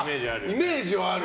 イメージはある。